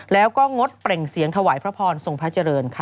แล้วงดเปร่งเสียงถวัยพระพรทรงพญเจริญ